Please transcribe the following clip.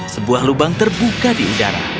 sebuah lubang terbuka di udara